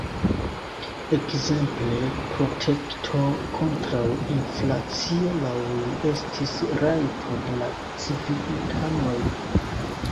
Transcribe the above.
Ekzemple, protekto kontraŭ inflacio laŭ li estis rajto de la civitanoj.